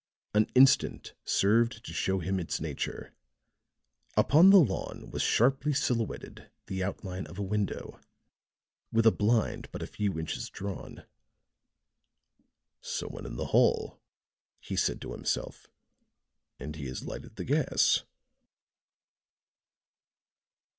An instant served to show him its nature; upon the lawn was sharply silhouetted the outline of a window, with a blind but a few inches drawn. "Some one in the hall," he said to himself, "and he has lighted the gas."